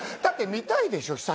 だって見たいでしょ？